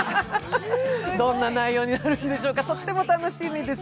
どんな内容になるんでしょうか、とっても楽しみです。